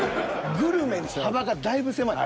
グルメの幅がだいぶ狭い。